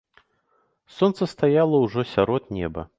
Сонца стаяла ўжо сярод неба.